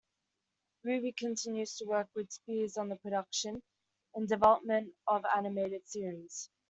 Ruby continues to work with Spears on the production and development of animated series.